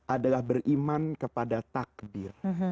adalah beriman kepada takdir